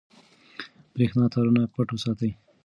برېښنا تارونه پټ وساتئ.